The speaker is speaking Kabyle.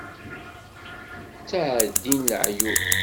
Ttεeddin leεyub.